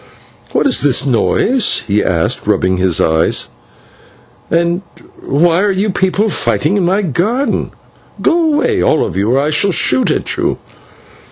"What is this noise?" he asked, rubbing his eyes, "and why are you people fighting in my garden? Go away, all of you, or I shall shoot at you."